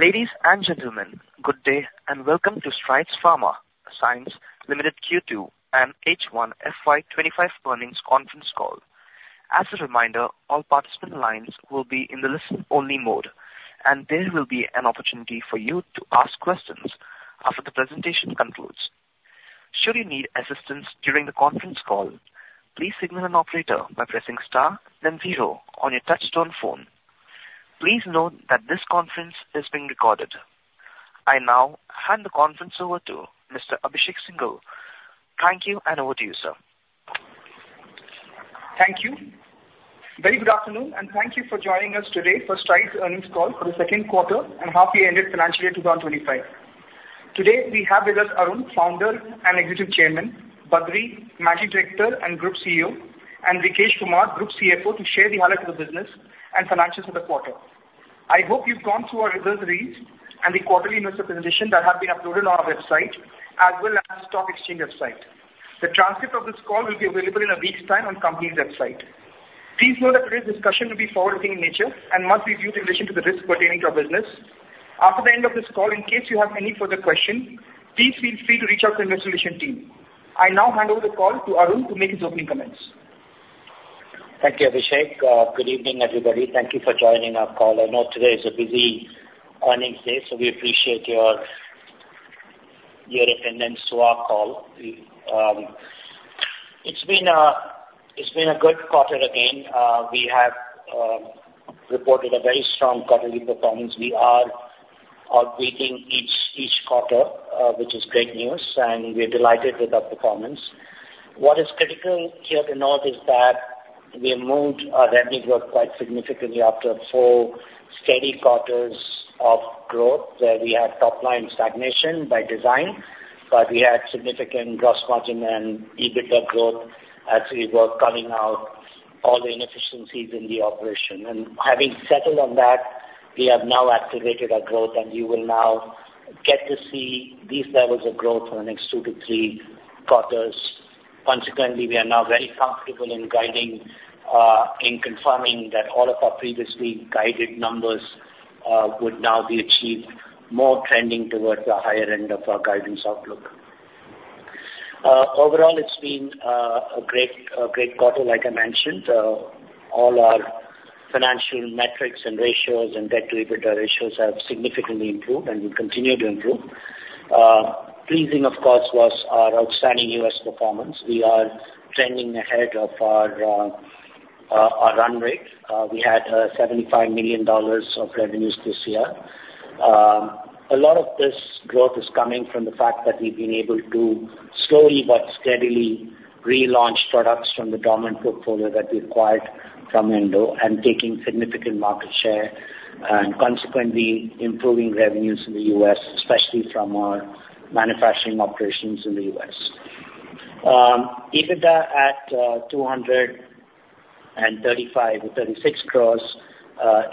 Ladies and gentlemen, good day, and welcome to Strides Pharma Science Limited Q2 and H1 FY twenty-five earnings conference call. As a reminder, all participant lines will be in the listen-only mode, and there will be an opportunity for you to ask questions after the presentation concludes. Should you need assistance during the conference call, please signal an operator by pressing star then zero on your touchtone phone. Please note that this conference is being recorded. I now hand the conference over to Mr. Abhishek Singhal. Thank you, and over to you, sir. Thank you. Very good afternoon, and thank you for joining us today for Strides earnings call for the second quarter and half year ended financial year 2025. Today, we have with us Arun, Founder and Executive Chairman, Badree, Managing Director and Group CEO, and Vikesh Kumar, Group CFO, to share the highlights of the business and financials for the quarter. I hope you've gone through our results release and the quarterly investor presentation that have been uploaded on our website, as well as stock exchange website. The transcript of this call will be available in a week's time on company's website. Please note that today's discussion will be forward-looking in nature and must be viewed in relation to the risk pertaining to our business. After the end of this call, in case you have any further question, please feel free to reach out to the investor relations team. I now hand over the call to Arun to make his opening comments. Thank you, Abhishek. Good evening, everybody. Thank you for joining our call. I know today is a busy earnings day, so we appreciate your attendance to our call. It's been a good quarter again. We have reported a very strong quarterly performance. We are outpacing each quarter, which is great news, and we are delighted with our performance. What is critical here to note is that we moved our revenue growth quite significantly after four steady quarters of growth, where we had top-line stagnation by design, but we had significant gross margin and EBITDA growth as we were cutting out all the inefficiencies in the operation. Having settled on that, we have now activated our growth, and you will now get to see these levels of growth for the next two to three quarters. Consequently, we are now very comfortable in guiding, in confirming that all of our previously guided numbers would now be achieved, more trending towards the higher end of our guidance outlook. Overall, it's been a great quarter, like I mentioned. All our financial metrics and ratios and debt to EBITDA ratios have significantly improved and will continue to improve. Pleasing, of course, was our outstanding U.S. performance. We are trending ahead of our run rate. We had $75 million of revenues this year. A lot of this growth is coming from the fact that we've been able to slowly but steadily relaunch products from the dormant portfolio that we acquired from Endo and taking significant market share and consequently improving revenues in the U.S., especially from our manufacturing operations in the U.S. EBITDA at 235-236 crores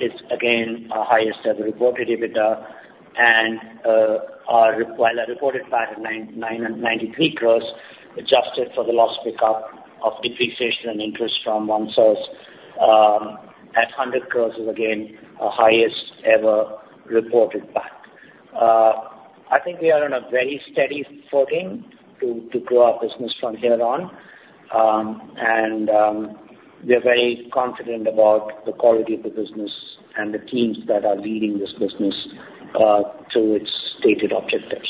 is again our highest ever reported EBITDA. And while our reported PAT 99.93 crores, adjusted for the loss pickup of depreciation and interest from OneSource, at 100 crores is again our highest ever reported PAT. I think we are on a very steady footing to grow our business from here on. We are very confident about the quality of the business and the teams that are leading this business to its stated objectives.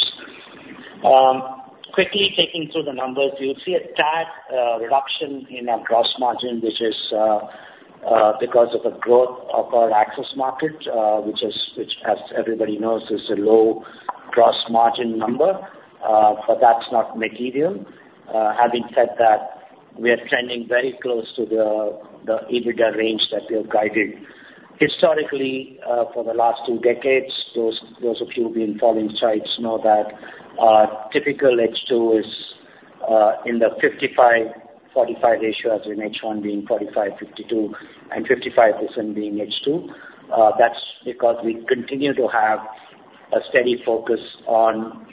Quickly taking through the numbers, you'll see a tad reduction in our gross margin, which is because of the growth of our access market, which, as everybody knows, is a low gross margin number, but that's not material. Having said that, we are trending very close to the EBITDA range that we have guided. Historically, for the last two decades, those of you who've been following Strides know that our typical H2 is in the 55-45 ratio, as in H1 being 45 to 55% being H2. That's because we continue to have a steady focus on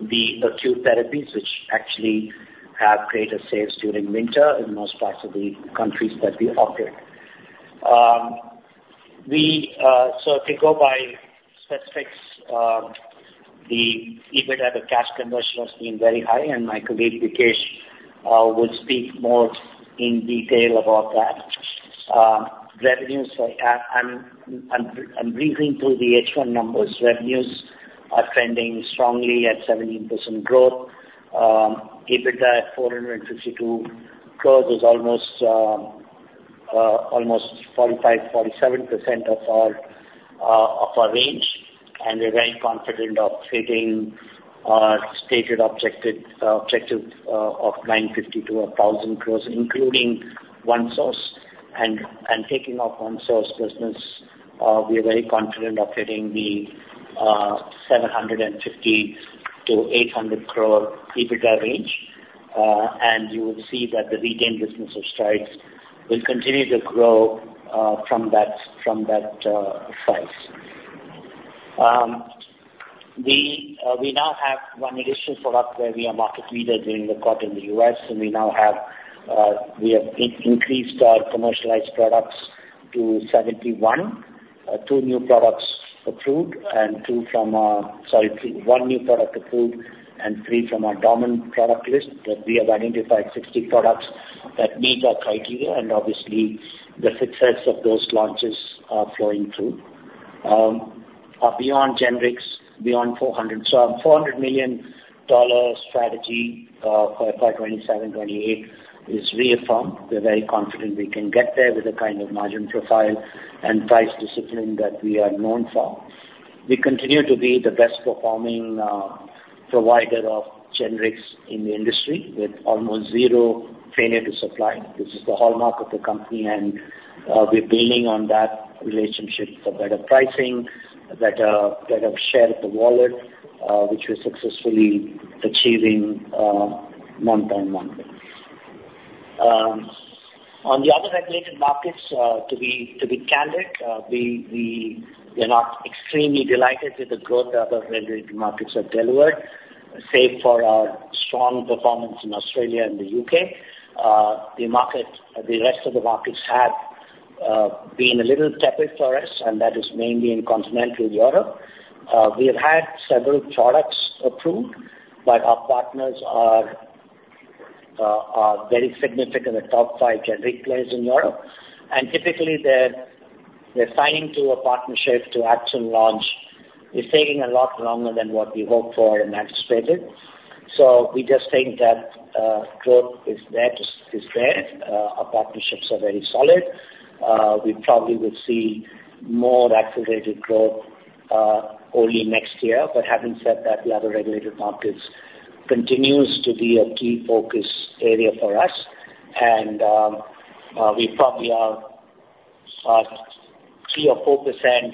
the acute therapies, which actually have greater sales during winter in most parts of the countries that we operate. So if we go by specifics, the EBITDA cash conversion has been very high, and my colleague, Vikesh, will speak more in detail about that. Revenues, so I'm briefing through the H1 numbers. Revenues are trending strongly at 17% growth. EBITDA at 452 crores is almost 45-47% of our range, and we're very confident of hitting our stated objective of 950-1,000 crores, including OneSource, and taking off OneSource business, we are very confident of hitting the 750-800 crore EBITDA range, and you will see that the retained business of Strides will continue to grow from that size. We now have one additional product where we are market leader during the quarter in the US, and we now have increased our commercialized products to 71. Two new products approved and two from, three, one new product approved and three from our dormant product list that we have identified 60 products that meet our criteria, and obviously the success of those launches are flowing through. Beyond generics, beyond 400, so our $400 million strategy for FY27, FY28 is reaffirmed. We're very confident we can get there with the kind of margin profile and price discipline that we are known for. We continue to be the best performing provider of generics in the industry, with almost zero failure to supply. This is the hallmark of the company, and we're building on that relationship for better pricing, better share of the wallet, which we're successfully achieving month on month. On the other regulated markets, to be candid, we're not extremely delighted with the growth of other regulated markets of delivered, save for our strong performance in Australia and the UK. The rest of the markets have been a little tepid for us, and that is mainly in continental Europe. We have had several products approved, but our partners are very significant, the top five generic players in Europe. And typically, the timing to a partnership to actual launch is taking a lot longer than what we hoped for and anticipated. So we just think that growth is there, just is there. Our partnerships are very solid. We probably will see more accelerated growth only next year. But having said that, the other regulated markets continues to be a key focus area for us, and we probably are 3 or 4%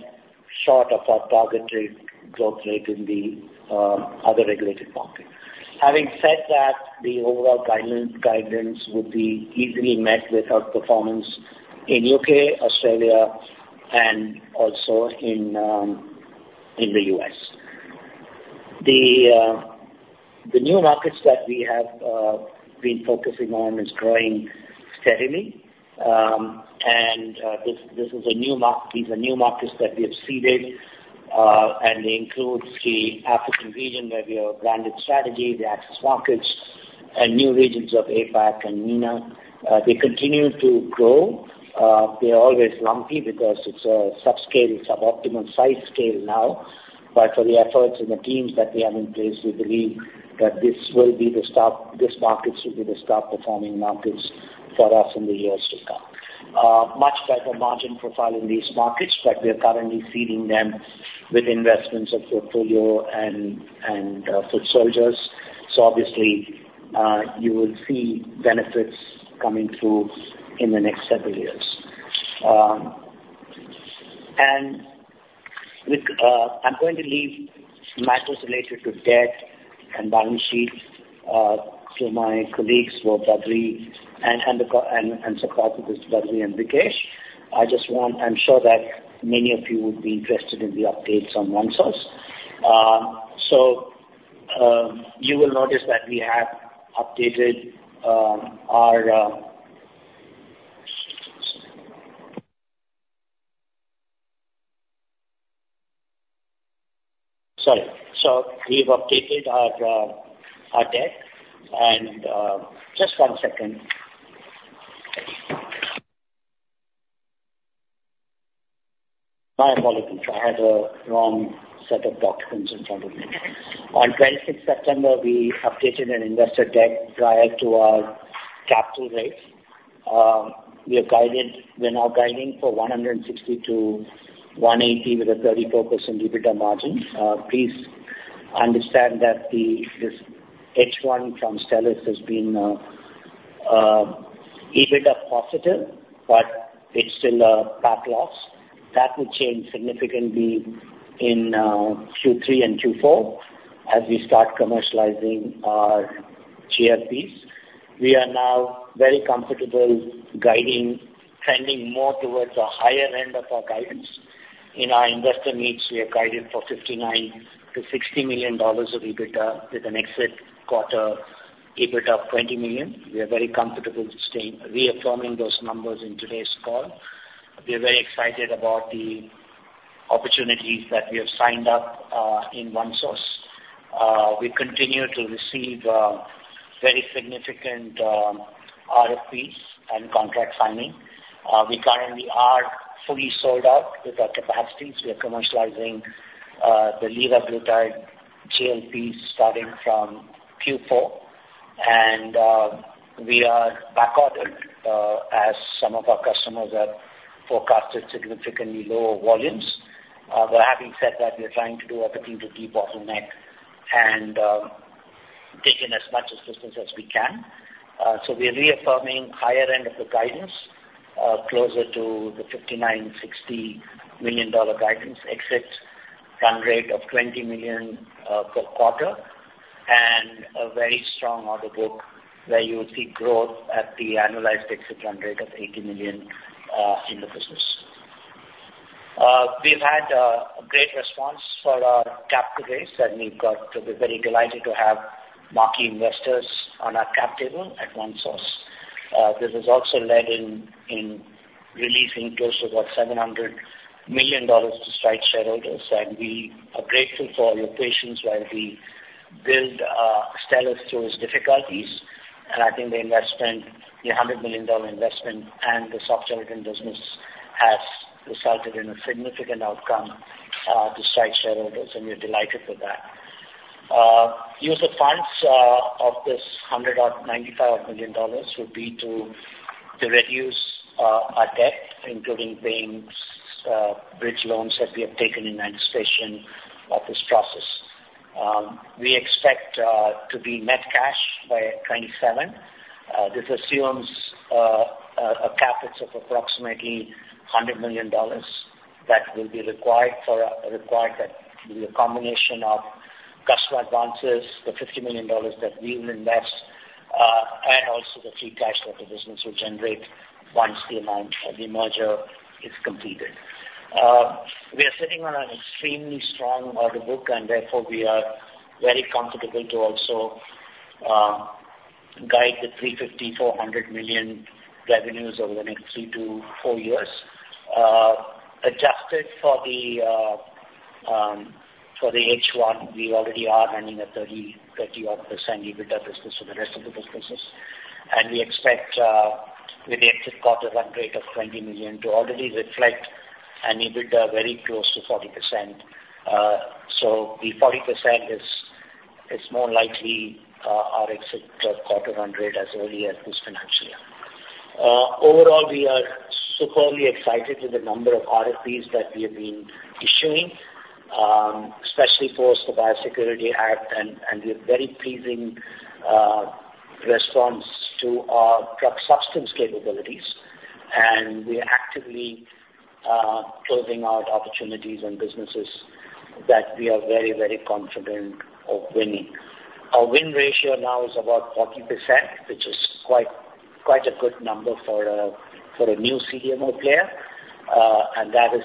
short of our targeted growth rate in the other regulated markets. Having said that, the overall guidance will be easily met with our performance in U.K., Australia, and also in the U.S. The new markets that we have been focusing on is growing steadily. And these are new markets that we have seeded, and they include the African region, where we have a branded strategy, the access markets and new regions of APAC and MENA. They continue to grow. They're always lumpy because it's a subscale, it's suboptimal size scale now. But for the efforts and the teams that we have in place, we believe that this will be the star. These markets will be the star performing markets for us in the years to come. Much better margin profile in these markets, but we are currently seeding them with investments of portfolio and foot soldiers. So obviously, you will see benefits coming through in the next several years. And with, I'm going to leave matters related to debt and balance sheets to my colleagues, both Badri and the CFO and so part of this, Badri and Vikesh. I just want... I'm sure that many of you would be interested in the updates on OneSource. So you will notice that we have updated our... Sorry. So we've updated our debt and just one second. My apologies. I had a wrong set of documents in front of me. On twenty-sixth September, we updated an investor deck prior to our capital raise. We are guided, we're now guiding for 160-180, with a 34% EBITDA margin. Please understand that the, this H1 from Stelis has been, EBITDA positive, but it's still a PAT loss. That will change significantly in Q3 and Q4 as we start commercializing our GLPs. We are now very comfortable guiding, trending more towards the higher end of our guidance. In our investor meets, we have guided for $59-$60 million of EBITDA, with an exit quarter EBITDA of $20 million. We are very comfortable staying, reaffirming those numbers in today's call. We are very excited about the opportunities that we have signed up in OneSource. We continue to receive very significant RFPs and contract signing. We currently are fully sold out with our capacities. We are commercializing the liraglutide GLP, starting from Q4, and we are backordered as some of our customers have forecasted significantly lower volumes. But having said that, we're trying to do everything to debottleneck and take in as much assistance as we can. So we are reaffirming higher end of the guidance, closer to the $59-$60 million guidance, exit run rate of $20 million per quarter and a very strong order book, where you will see growth at the annualized exit run rate of $80 million in the business. We've had a great response for our cap today, and we're very delighted to have marquee investors on our cap table at OneSource. This has also led in releasing close to about $700 million to Strides shareholders, and we are grateful for your patience while we build Stelis through its difficulties. I think the investment, the $100 million investment and the soft gelatin business, has resulted in a significant outcome to Strides shareholders, and we're delighted with that. Use of funds of this $195 million will be to reduce our debt, including paying bridge loans that we have taken in anticipation of this process. We expect to be net cash by 2027. This assumes a capital of approximately $100 million that will be required, that be a combination of customer advances, the $50 million that we will invest, and also the free cash flow the business will generate once the amount of the merger is completed. We are sitting on an extremely strong order book, and therefore, we are very comfortable to also guide the 350-400 million revenues over the next three to four years. Adjusted for the H1, we already are running at 30-odd% EBITDA business for the rest of the businesses. And we expect with the exit quarter run rate of $20 million to already reflect an EBITDA very close to 40%. So the 40% is more likely our exit quarter run rate as early as this financial year. Overall, we are superbly excited with the number of RFPs that we have been issuing, especially for the Biosecurity Act and we have very pleasing response to our drug substance capabilities, and we are actively closing out opportunities and businesses that we are very, very confident of winning. Our win ratio now is about 40%, which is quite a good number for a new CDMO player, and that is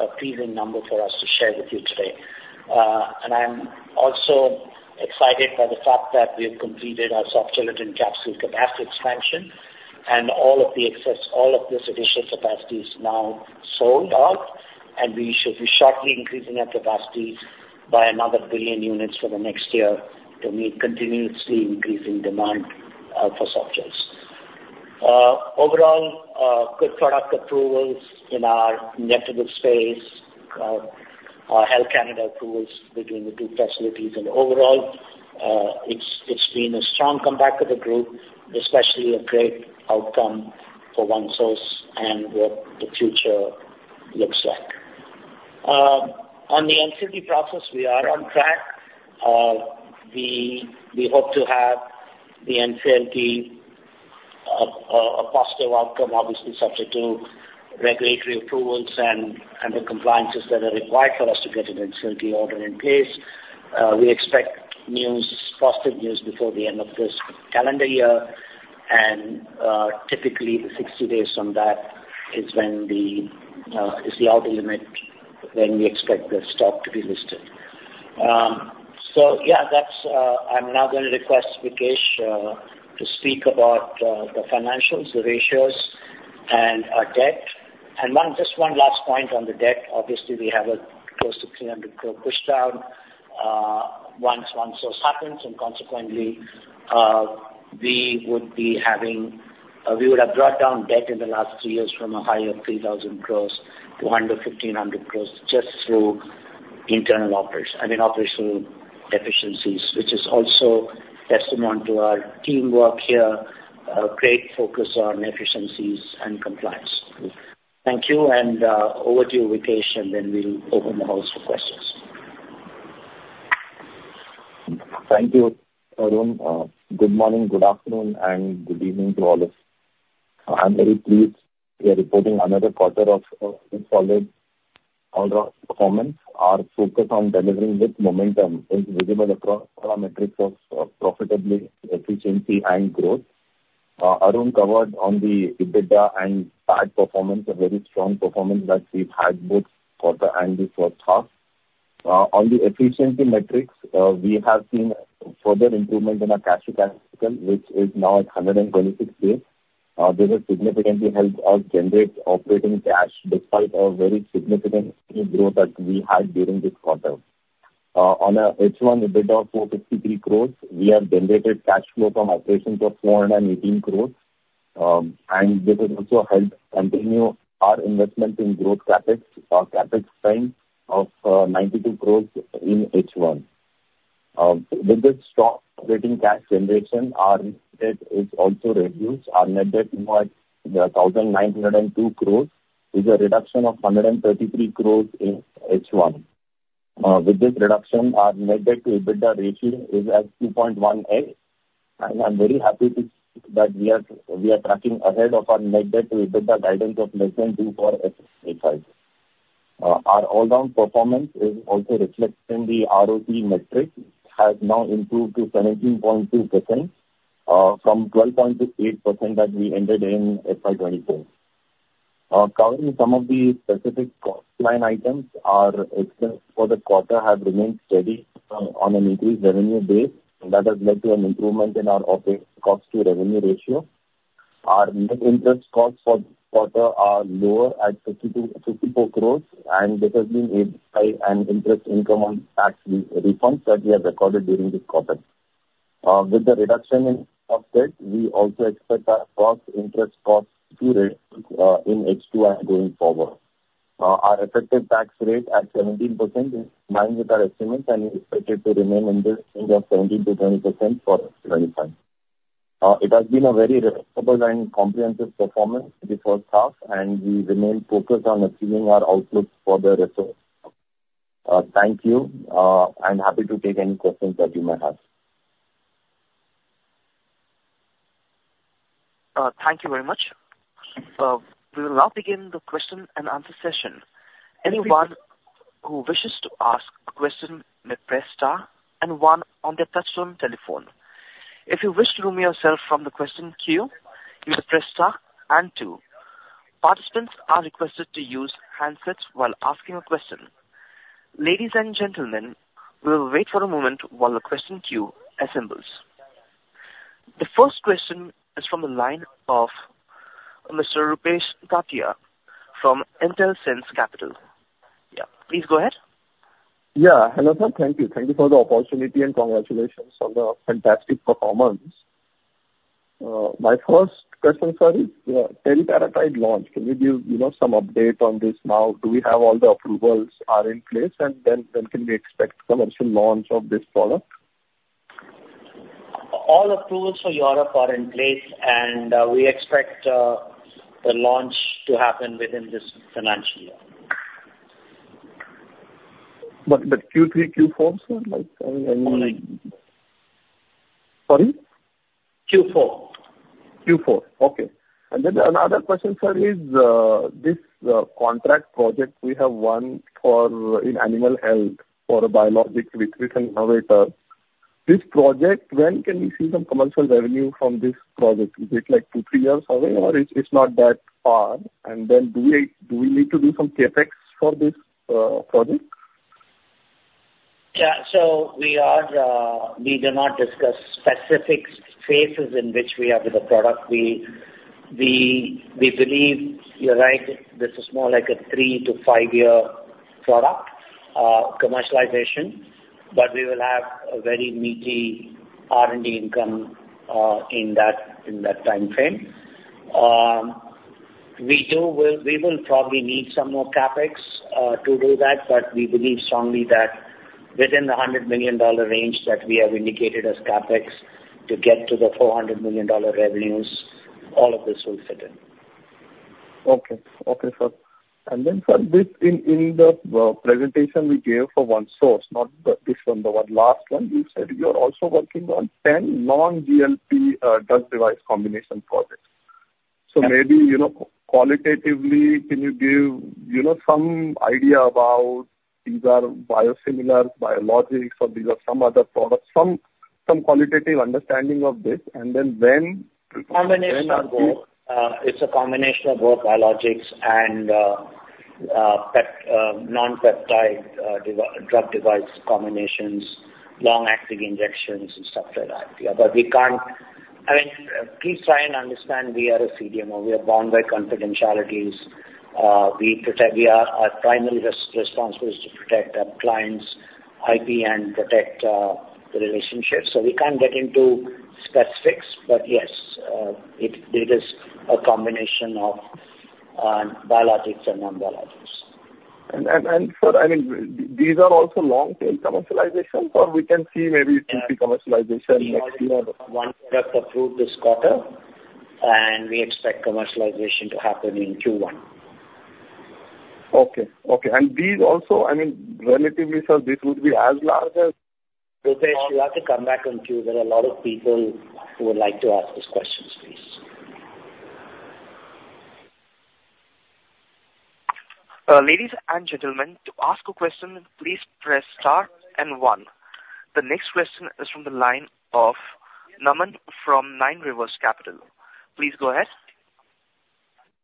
a pleasing number for us to share with you today. And I'm also excited by the fact that we have completed our soft gelatin capsule capacity expansion, and all of this additional capacity is now sold out, and we should be shortly increasing our capacities by another billion units for the next year to meet continuously increasing demand for softgels. Overall, good product approvals in our injectable space, our Health Canada approvals between the two facilities. And overall, it's been a strong comeback of the group, especially a great outcome for OneSource and what the future looks like. On the NCLT process, we are on track. We hope to have the NCLT a positive outcome, obviously subject to regulatory approvals and the compliances that are required for us to get an NCLT order in place. We expect news, positive news before the end of this calendar year, and typically, the 60 days from that is when is the outer limit when we expect the stock to be listed. So, yeah, that's... I'm now going to request Vikesh to speak about the financials, the ratios, and our debt. And one, just one last point on the debt. Obviously, we have a close to 300 crore pushdown once OneSource happens, and consequently, we would have brought down debt in the last three years from a high of 3,000 crores to under 1,500 crores just through internal operations, I mean, operational efficiencies, which is also testament to our teamwork here, a great focus on efficiencies and compliance. Thank you, and over to you, Vikesh, and then we'll open the floor for questions. Thank you, Arun. Good morning, good afternoon, and good evening to all of you. I'm very pleased we are reporting another quarter of solid order performance. Our focus on delivering this momentum is visible across all our metrics of profitability, efficiency, and growth. Arun covered on the EBITDA and SAG performance, a very strong performance that we've had both quarter and before last. On the efficiency metrics, we have seen further improvement in our cash to cash cycle, which is now at 126 days. This has significantly helped us generate operating cash despite a very significant growth that we had during this quarter. On our H1 EBITDA of 453 crores, we have generated cash flow from operations of 418 crores, and this has also helped continue our investment in growth CapEx, our CapEx spend of 92 crores in H1. With this strong operating cash generation, our net debt is also reduced. Our net debt was 1,902 crores, is a reduction of 133 crores in H1. With this reduction, our net debt to EBITDA ratio is at 2.18, and I'm very happy to-- that we are tracking ahead of our net debt to EBITDA guidance of less than 2 for FY.... our all-round performance is also reflected in the ROCE metric, has now improved to 17.2%, from 12.8% that we ended in FY 2024. Covering some of the specific cost line items, our expenses for the quarter have remained steady on an increased revenue base, and that has led to an improvement in our OpEx cost to revenue ratio. Our net interest costs for the quarter are lower at 50-54 crores, and this has been made up by an interest income on tax refunds that we have recorded during this quarter. With the reduction in debt, we also expect our gross interest costs to reduce in H2 and going forward. Our effective tax rate at 17% is in line with our estimates, and we expect it to remain in this range of 17%-20% for 2025. It has been a very respectable and comprehensive performance this first half, and we remain focused on achieving our outlook for the rest of. Thank you. I'm happy to take any questions that you may have. Thank you very much. We will now begin the question and answer session. Anyone who wishes to ask a question, may press star and one on their touch-tone telephone. If you wish to remove yourself from the question queue, you may press star and two. Participants are requested to use handsets while asking a question. Ladies and gentlemen, we will wait for a moment while the question queue assembles. The first question is from the line of Mr. Rupesh Tatiya from Intelsense Capital. Yeah, please go ahead. Yeah. Hello, sir. Thank you. Thank you for the opportunity, and congratulations on the fantastic performance. My first question, sir, is teriparatide launch. Can you give, you know, some update on this now? Do we have all the approvals are in place, and then, when can we expect commercial launch of this product? All approvals for Europe are in place, and we expect the launch to happen within this financial year. But, Q3, Q4, sir, like, I mean- All right. Sorry? Q4. Q4. Okay. And then another question, sir, is this contract project we have won for in animal health, for a biologics with an innovator. This project, when can we see some commercial revenue from this project? Is it like two, three years away, or it's not that far? And then do we need to do some CapEx for this project? Yeah. So we are, we do not discuss specific phases in which we are with the product. We believe you're right, this is more like a three-to-five-year product commercialization, but we will have a very meaty R&D income, in that timeframe. We will probably need some more CapEx, to do that, but we believe strongly that within the $100 million range that we have indicated as CapEx to get to the $400 million revenues, all of this will fit in. Okay. Okay, sir. And then, sir, this, in the presentation we gave for OneSource, not this one, the one last one, you said you are also working on 10 non-GLP drug device combination projects. So maybe, you know, qualitatively, can you give, you know, some idea about these are biosimilar biologics or these are some other products, some qualitative understanding of this, and then when- Combination of both. It's a combination of both biologics and non-peptide drug device combinations, long-acting injections and stuff like that. But we can't. I mean, please try and understand, we are a CDMO. We are bound by confidentialities. We protect. We are. Our primary responsibility is to protect our clients' IP and protect the relationships, so we can't get into specifics. But yes, it is a combination of biologics and non-biologics. Sir, I mean, these are also long-tail commercialization, or we can see maybe T3 commercialization next year? One product approved this quarter, and we expect commercialization to happen in Q1. Okay. Okay, and these also, I mean, relatively, sir, this would be as large as- Rupesh, we'll have to come back on queue. There are a lot of people who would like to ask these questions, please. Ladies and gentlemen, to ask a question, please press star and one. The next question is from the line of Naman from Nine Rivers Capital. Please go ahead.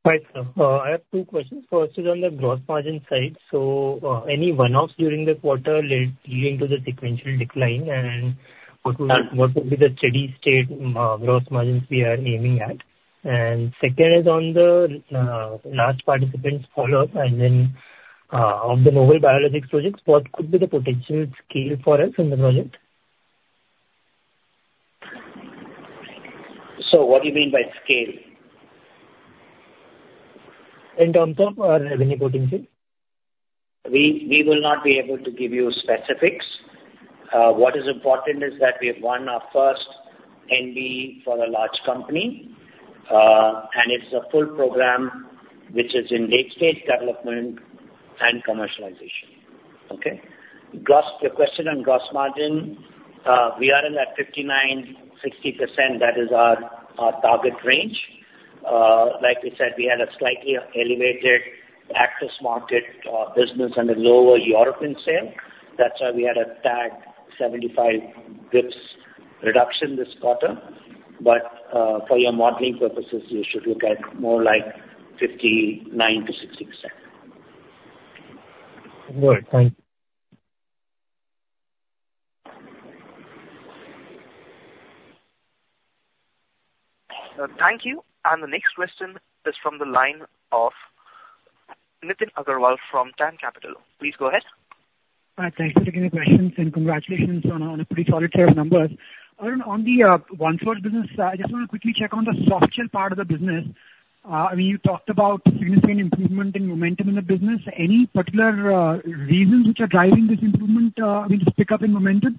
Hi, sir. I have two questions. First is on the gross margin Strides. So, any one-offs during the quarter leading to the sequential decline, and what would be the steady-state gross margins we are aiming at? And second is on the last participant's follow-up, and then on the novel biologics projects, what could be the potential scale for us in the project? What do you mean by scale? In terms of our revenue potential. We will not be able to give you specifics. What is important is that we have won our first NB for a large company, and it's a full program which is in late stage development and commercialization. Okay. Regarding your question on gross margin, we are in that 59-60%, that is our target range. Like we said, we had a slightly elevated access market business and a lower European sales. That's why we had a tad 75 basis points reduction this quarter. But, for your modeling purposes, you should look at more like 59-60%. Great, thank you. Thank you. And the next question is from the line of Nitin Agarwal from DAM Capital. Please go ahead. Thanks for taking the questions, and congratulations on a pretty solid set of numbers. Arun, on the OneSource business, I just want to quickly check on the softgel part of the business. I mean, you talked about significant improvement in momentum in the business. Any particular reasons which are driving this improvement, I mean, this pickup in momentum?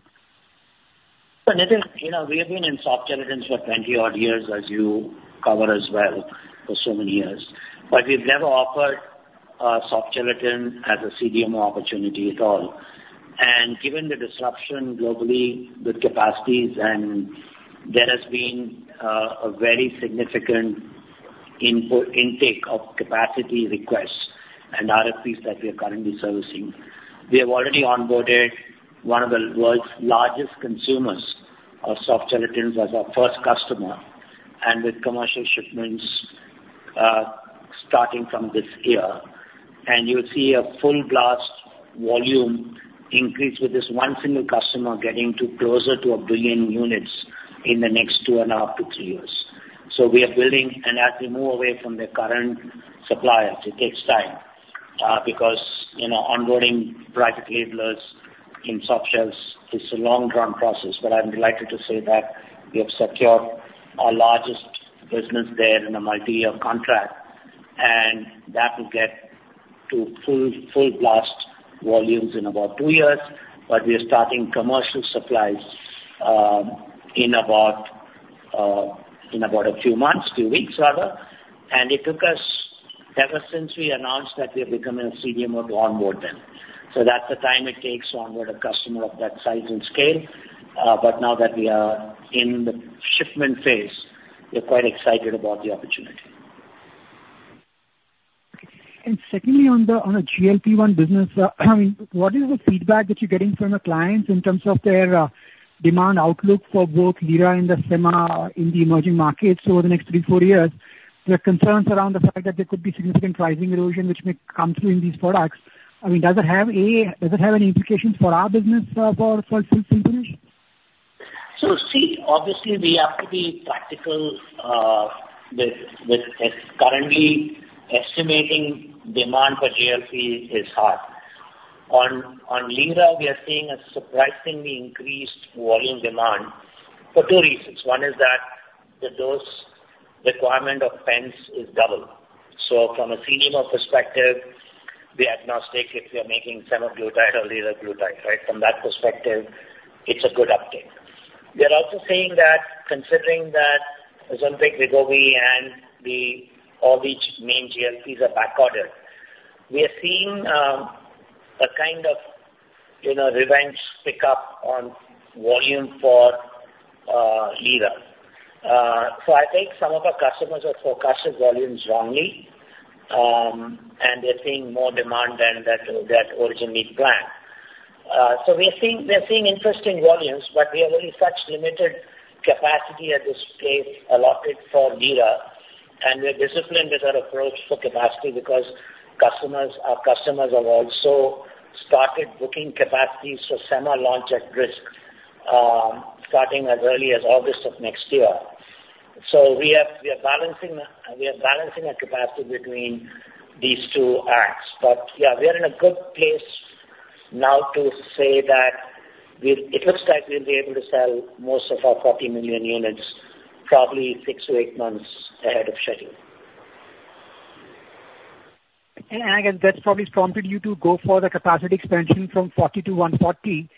Nitin, you know, we have been in soft gelatin for twenty-odd years, as you cover as well for so many years. But we've never offered soft gelatin as a CDMO opportunity at all. And given the disruption globally with capacities, and there has been a very significant intake of capacity requests and RFPs that we are currently servicing. We have already onboarded one of the world's largest consumers of soft gelatin as our first customer, and with commercial shipments starting from this year. And you'll see a full blast volume increase with this one single customer getting to closer to a billion units in the next two and a half to three years. We are building, and as we move away from their current suppliers, it takes time, because, you know, onboarding private labelers in softgels is a long-run process. But I'm delighted to say that we have secured our largest business there in a multi-year contract, and that will get to full blast volumes in about two years. But we are starting commercial supplies in about a few months, few weeks rather. And it took us, ever since we announced that we have become a CDMO, to onboard them. So that's the time it takes to onboard a customer of that size and scale. But now that we are in the shipment phase, we're quite excited about the opportunity. And secondly, on a GLP-1 business, what is the feedback that you're getting from your clients in terms of their demand outlook for both Lira and the Sema in the emerging markets over the next three, four years? There are concerns around the fact that there could be significant pricing erosion, which may come through in these products. I mean, does it have any implications for our business, for future finish? So see, obviously, we have to be practical with currently estimating demand for GLP is hard. On Lira, we are seeing a surprisingly increased volume demand for two reasons. One is that the dose requirement of pens is double. So from a CDMO perspective, we are agnostic if we are making semaglutide or liraglutide, right? From that perspective, it's a good uptake. We are also seeing that considering that Ozempic, Wegovy, and the all big main GLPs are backordered, we are seeing a kind of, you know, revenge pick-up on volume for Lira. So I think some of our customers have forecasted volumes wrongly, and they're seeing more demand than that originally planned. So we are seeing interesting volumes, but we have only such limited capacity at this stage allotted for Lira. We're disciplined with our approach for capacity because customers, our customers have also started booking capacities for semi-launch at risk, starting as early as August of next year. So we are balancing our capacity between these two acts. But, yeah, we are in a good place now to say that it looks like we'll be able to sell most of our 40 million units, probably 6-8 months ahead of schedule. I guess that's probably prompted you to go for the capacity expansion from 40 to 140.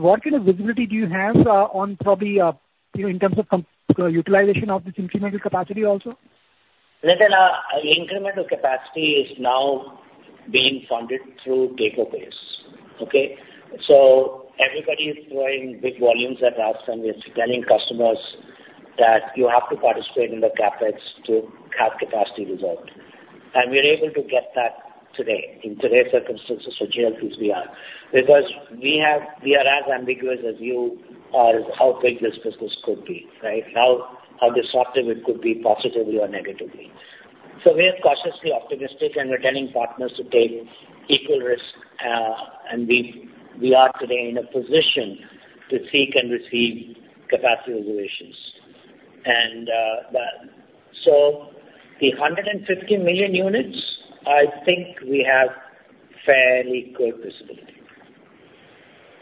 What kind of visibility do you have on, probably, you know, in terms of commercial utilization of this incremental capacity also? Nitin, incremental capacity is now being funded through take-or-pays, okay? So everybody is throwing big volumes at us, and we are telling customers that you have to participate in the CapEx to have capacity reserved. And we're able to get that today, in today's circumstances for GLPs, we are. Because we are as ambiguous as you are, how big this business could be, right? How disruptive it could be, positively or negatively. So we are cautiously optimistic, and we're telling partners to take equal risk, and we are today in a position to seek and receive capacity reservations. And but. So the hundred and fifty million units, I think we have fairly good visibility.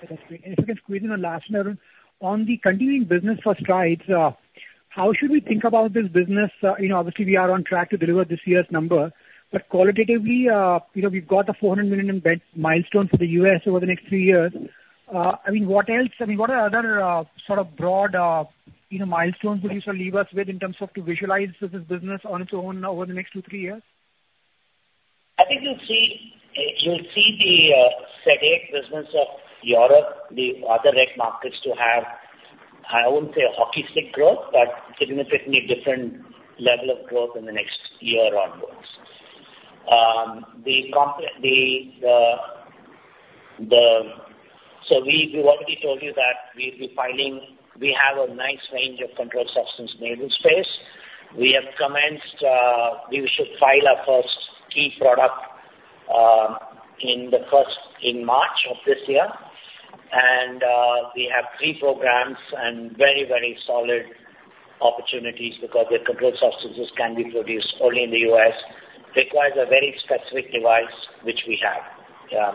That's great, and if you can squeeze in a last one, Arun. On the continuing business for Strides, how should we think about this business? You know, obviously, we are on track to deliver this year's number. But qualitatively, you know, we've got the $400 million EBITDA milestone for the US over the next three years.... I mean, what else, I mean, what are other, sort of broad, you know, milestones would you, sir, leave us with in terms of to visualize this business on its own over the next two, three years? I think you'll see, you'll see the CDMO business of Europe, the other reg markets to have, I wouldn't say a hockey stick growth, but significantly different level of growth in the next year onwards. So we've already told you that we'll be filing, we have a nice range of controlled substance enabling space. We have commenced, we should file our first key product, in the first, in March of this year, and we have three programs and very, very solid opportunities because the controlled substances can be produced only in the U.S. It requires a very specific device, which we have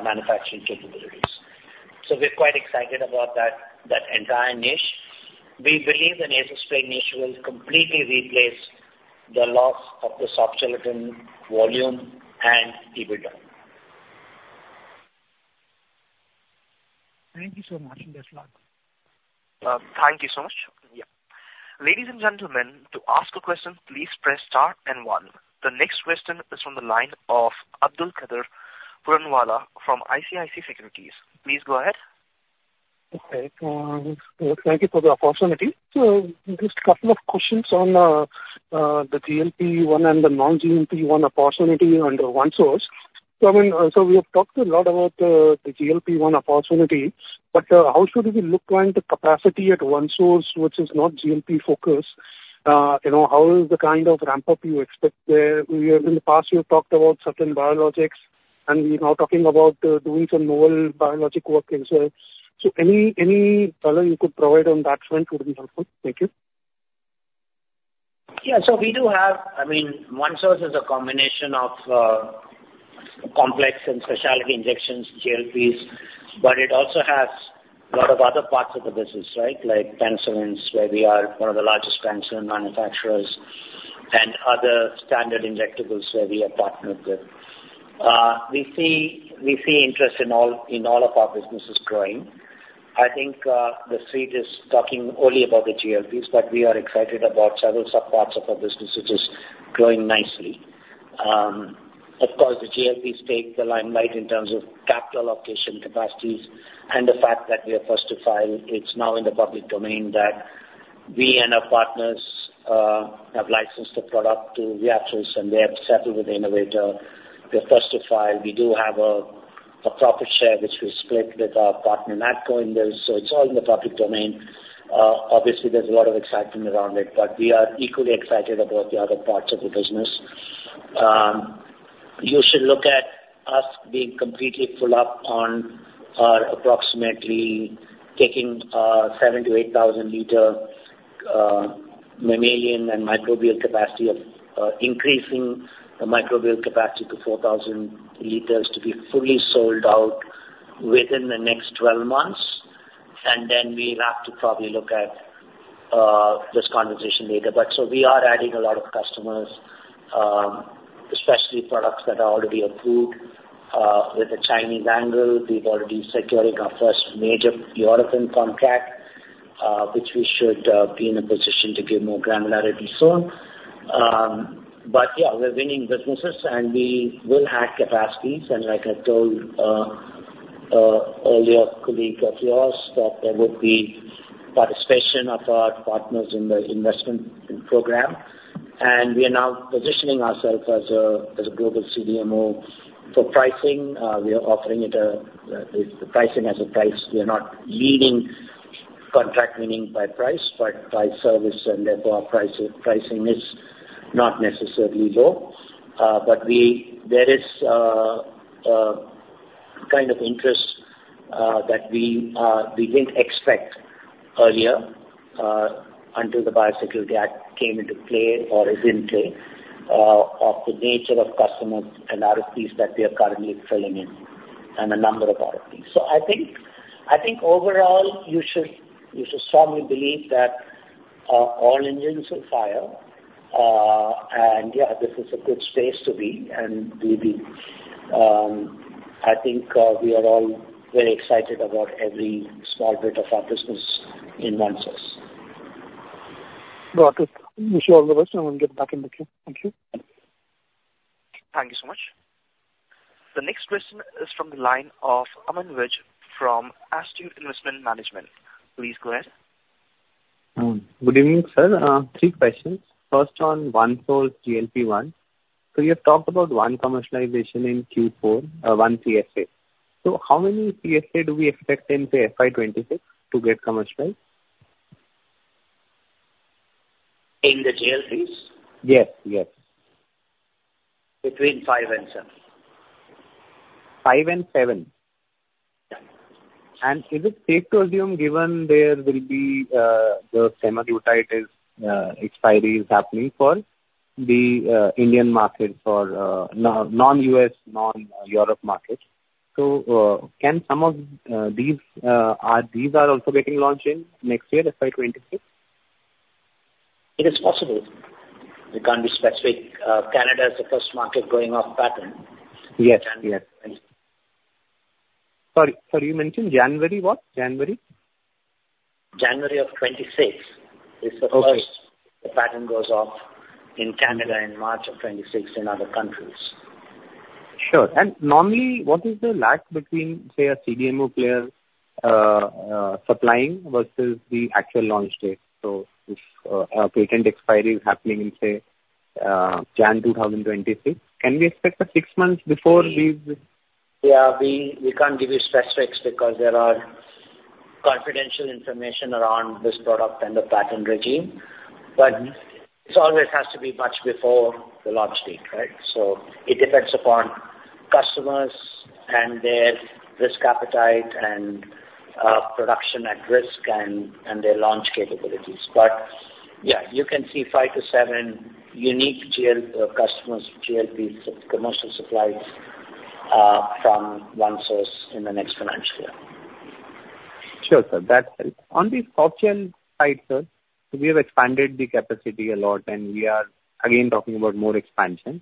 manufacturing capabilities. So we're quite excited about that entire niche. We believe the nasal spray niche will completely replace the loss of the soft gelatin volume and EBITDA. Thank you so much, and best luck. Thank you so much. Yeah. Ladies and gentlemen, to ask a question, please press star and one. The next question is from the line of Abdul Kader Puranwala from ICICI Securities. Please go ahead. Okay. Thank you for the opportunity. So just a couple of questions on the GLP-1 and the non-GLP-1 opportunity under OneSource. So I mean, so we have talked a lot about the GLP-1 opportunity, but how should we be looking at the capacity at OneSource, which is not GLP-focused? You know, how is the kind of ramp-up you expect there? We have, in the past, you have talked about certain biologics, and we're now talking about doing some novel biologic work as well. So any color you could provide on that front would be helpful. Thank you. Yeah, so we do have, I mean, OneSource is a combination of complex and specialty injections, GLPs, but it also has a lot of other parts of the business, right? Like penicillins, where we are one of the largest penicillin manufacturers, and other standard injectables where we are partnered with. We see interest in all of our businesses growing. I think the street is talking only about the GLPs, but we are excited about several subparts of our business, which is growing nicely. Of course, the GLPs take the limelight in terms of capital allocation capacities and the fact that we are first to file. It's now in the public domain that we and our partners have licensed the product to Amneal, and they have settled with the innovator. We are first to file. We do have a profit share, which we split with our partner, Arco, in this, so it's all in the public domain. Obviously, there's a lot of excitement around it, but we are equally excited about the other parts of the business. You should look at us being completely full up on our approximately taking seven to eight thousand liter mammalian and microbial capacity of increasing the microbial capacity to four thousand liters to be fully sold out within the next twelve months. Then we'll have to probably look at this conversation later. So we are adding a lot of customers, especially products that are already approved. With the Chinese angle, we've already securing our first major European contract, which we should be in a position to give more granularity soon. But yeah, we're winning businesses, and we will add capacities. And like I told, an earlier colleague of yours, that there would be participation of our partners in the investment program, and we are now positioning ourselves as a global CDMO. For pricing, we are offering the pricing as a price. We are not leading contract winning by price, but by service, and therefore our pricing is not necessarily low. But we, there is a kind of interest that we didn't expect earlier, until the Biosecurity Act came into play or is in play, of the nature of customers and RFPs that we are currently filling in, and a number of RFPs. So I think overall, you should strongly believe that all engines are firing, and yeah, this is a good space to be, and we'll be. I think we are all very excited about every small bit of our business in OneSource. Got it. Wish you all the best, and we'll get back in the queue. Thank you. Thank you so much. The next question is from the line of Aman Vij from Astute Investment Management. Please go ahead. Good evening, sir. Three questions. First, on OneSource GLP-1. So you have talked about one commercialization in Q4, one CSA. So how many CSA do we expect in, say, FY twenty-six to get commercialized? In the GLPs? Yes, yes. Between five and seven. Five and seven? Yeah. Is it safe to assume, given there will be the Semaglutide expiry is happening for the Indian market for non-U.S., non-Europe markets, so can some of these are these also getting launched in next year, FY 2026?... It is possible. We can't be specific. Canada is the first market going off pattern. Yes. Yes. Sorry, sir, you mentioned January what? January? January of twenty-six is the first- Okay. -the patent goes off in Canada in March of 2026 in other countries. Sure. And normally, what is the lag between, say, a CDMO player supplying versus the actual launch date? So if a patent expiry is happening in, say, January 2026, can we expect a six months before these? Yeah, we can't give you specifics because there are confidential information around this product and the patent regime, but this always has to be much before the launch date, right? So it depends upon customers and their risk appetite and production at risk and their launch capabilities. But, yeah, you can see five to seven unique GLP customers, GLP commercial supplies from OneSource in the next financial year. Sure, sir. That helps. On the top chain side, sir, we have expanded the capacity a lot, and we are again talking about more expansion.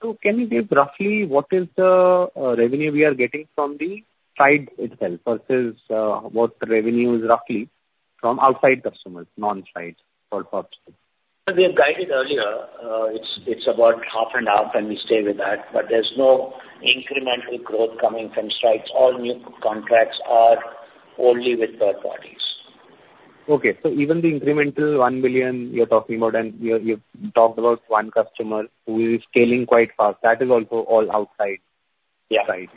So can you give roughly what is the revenue we are getting from the side itself, versus what the revenue is roughly from outside customers, non-Strides or top side? We have guided earlier, it's about half and half, and we stay with that, but there's no incremental growth coming from Strides. All new contracts are only with third parties. Okay, so even the incremental one million you're talking about, and you've talked about one customer who is scaling quite fast, that is also all outside- Yeah. -side.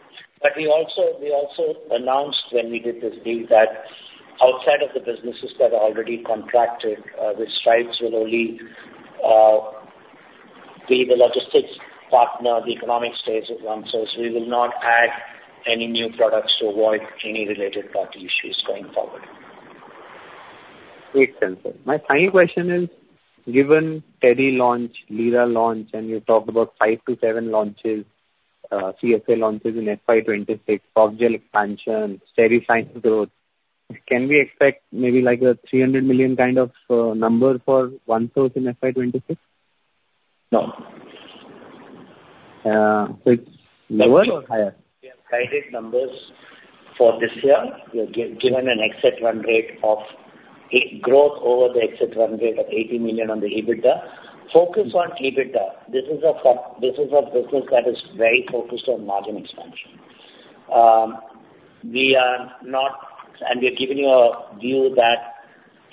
We also announced when we did this deal that outside of the businesses that are already contracted with Strides will only be the logistics partner, the economic stake at OneSource. We will not add any new products to avoid any related party issues going forward. Great, thank you. My final question is, given Teddy launch, Lira launch, and you talked about five-to-seven launches, CSA launches in FY 2026, softgel expansion, steady science growth, can we expect maybe like a $300 million kind of number for OneSource in FY 2026? No. So it's lower or higher? We have guided numbers for this year. We have given an exit run rate of 8% growth over the exit run rate of $80 million on the EBITDA. Focus on EBITDA. This is a business that is very focused on margin expansion. We are not... And we are giving you a view that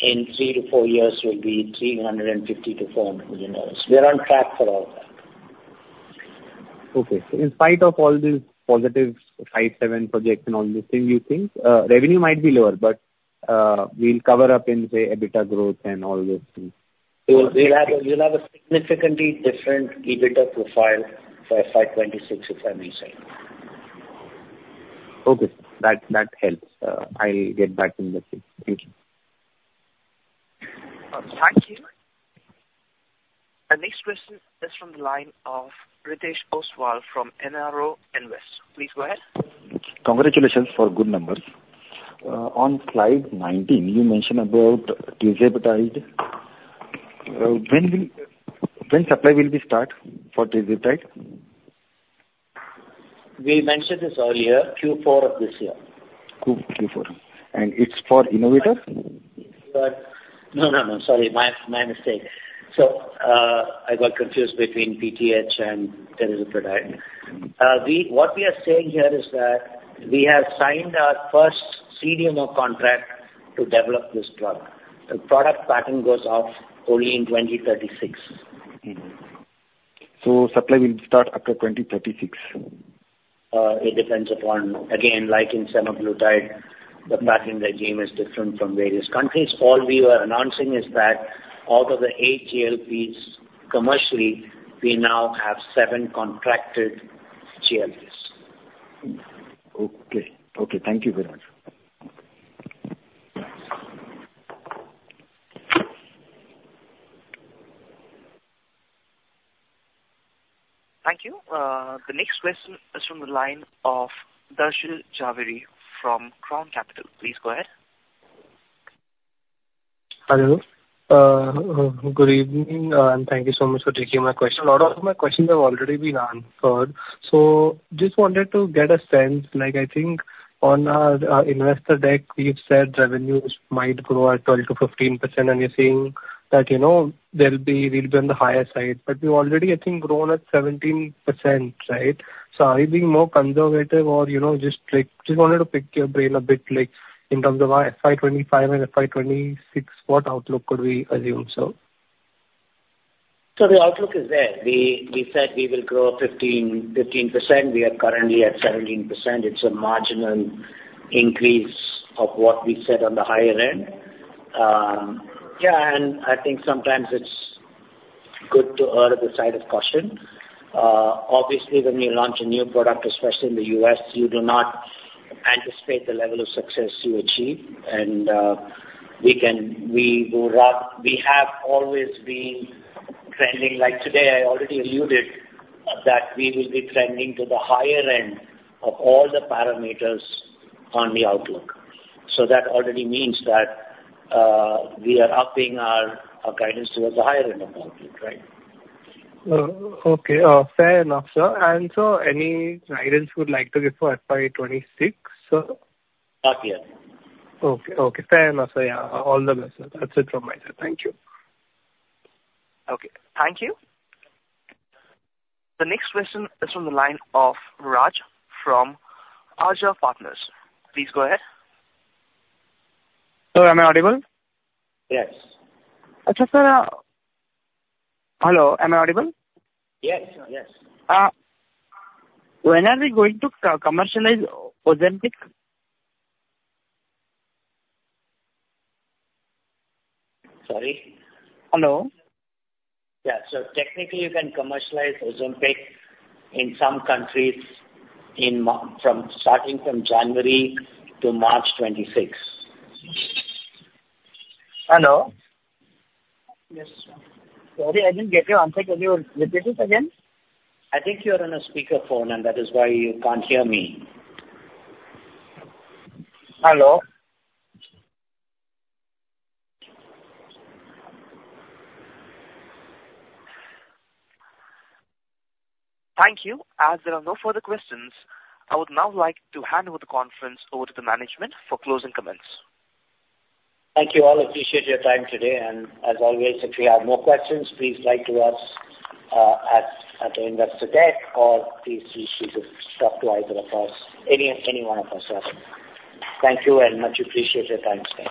in three to four years will be $350-$400 million. We are on track for all that. Okay, so in spite of all these positives, five, seven projects and all these things, you think, revenue might be lower, but, we'll cover up in, say, EBITDA growth and all those things. We'll have a significantly different EBITDA profile for FY 2026, if I may say. Okay. That helps. I'll get back in the queue. Thank you. Thank you. Our next question is from the line of Ritesh Ostwal from NRO Invest. Please go ahead. Congratulations for good numbers. On slide nineteen, you mentioned about tirzepatide. When supply will be start for tirzepatide? We mentioned this earlier, Q4 of this year. Q4. And it's for innovator? No, no, no, sorry, my mistake. So, I got confused between PTH and tirzepatide. What we are saying here is that we have signed our first CDMO contract to develop this drug. The product patent goes off only in twenty thirty-six. Mm-hmm. So supply will start after 2036? It depends upon, again, like in Semaglutide, the patent regime is different in various countries. All we were announcing is that out of the eight GLPs, commercially, we now have seven contracted GLPs. Okay. Okay, thank you very much. Thank you. The next question is from the line of Darshan Jhaveri from Crown Capital. Please go ahead. Hello. Good evening, and thank you so much for taking my question. A lot of my questions have already been answered. So just wanted to get a sense, like, I think on our investor deck, we've said revenues might grow at 12-15%, and you're saying that, you know, there'll be, we'll be on the higher side, but we've already, I think, grown at 17%, right? So are you being more conservative or, you know, just like... Just wanted to pick your brain a bit, like, in terms of our FY25 and FY26, what outlook could we assume, sir? So the outlook is there. We said we will grow 15%. We are currently at 17%. It's a marginal increase of what we said on the higher end. Yeah, and I think sometimes it's good to err on the side of caution. Obviously, when you launch a new product, especially in the U.S., you do not anticipate the level of success you achieve, and we have always been trending. Like today, I already alluded that we will be trending to the higher end of all the parameters on the outlook. So that already means that we are upping our guidance towards the higher end of the outlook, right? Okay. Fair enough, sir. And sir, any guidance you would like to give for FY twenty-six, sir? Not yet. Okay, okay, fair enough, sir. Yeah, all the best, sir. That's it from my side. Thank you. Okay. Thank you. The next question is from the line of Raj from Arjav Partners. Please go ahead. Hello, am I audible? Yes. Okay, sir. Hello, am I audible? Yes. Yes. When are we going to co-commercialize Ozempic? Sorry? Hello? Yeah. Technically, you can commercialize Ozempic in some countries in MENA starting from January to March 2026. Hello? Yes, sir. Sorry, I didn't get your answer. Could you repeat it again? I think you're on a speakerphone, and that is why you can't hear me. Hello? Thank you. As there are no further questions, I would now like to hand over the conference to the management for closing comments. Thank you all. Appreciate your time today, and as always, if you have more questions, please write to us at the investor deck, or please reach out to either of us, any one of us. Thank you very much. Appreciate your time today.